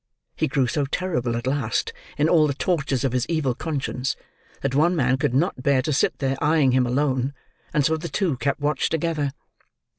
He grew so terrible, at last, in all the tortures of his evil conscience, that one man could not bear to sit there, eyeing him alone; and so the two kept watch together.